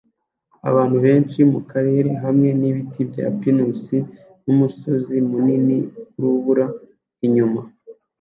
Abantu benshi mukarere kahamwe nibiti bya pinusi numusozi munini wurubura inyuma